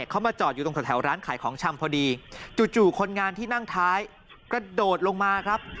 เขามาจอดอยู่ตรงแถวร้านขายของชำพอดีจู่คนงานที่นั่งท้ายกระโดดลงมาครับ